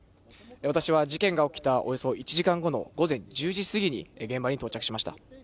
私は事件が起きたおよそ１時間後の午前１０時過ぎに現場に到着しました。